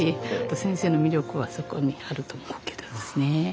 先生の魅力はそこにあると思うけどですね。